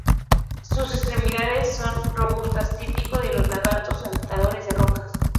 Sus extremidades son robustas, típico de los lagartos saltadores de rocas.